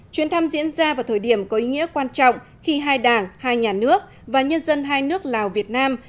chuyến thăm diễn ra vào thời điểm có ý nghĩa quan trọng khi hai đảng hai nhà nước và nhân dân hai nước lào việt nam